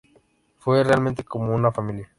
Fue realmente como una familia.